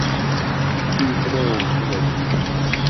کوتی بڕۆ و مهبه گیر